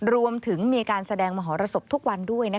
รวมถึงมีการแสดงมหรสบทุกวันด้วย